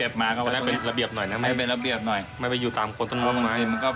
ตัวให้เป็นระเบียบหน่อยไม่ให้ไปอยู่ตามคนต้นไม้